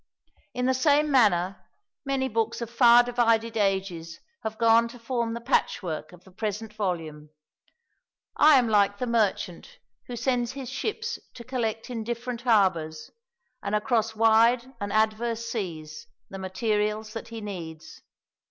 In the same manner many books of far divided ages have gone to form the patchwork of the present volume; I am like the merchant who sends his ships to collect in different harbours, and across wide and adverse seas, the materials that he needs.